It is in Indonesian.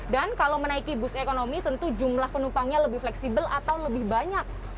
dan kalau menaiki bus ekonomi tentu jumlah penumpangnya lebih fleksibel atau lebih banyak